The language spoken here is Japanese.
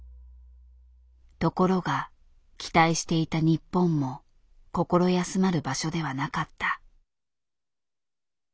ところが期待していた日本も心安まる場所ではなかった。